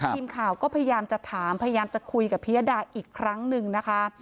ทีมข่าวก็พยายามจะถามพยายามจะคุยกับพิยดาอีกครั้งหนึ่งนะคะ